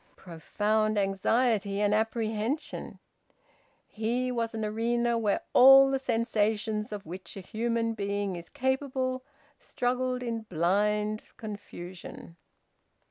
Profound anxiety and apprehension! He was an arena where all the sensations of which a human being is capable struggled in blind confusion.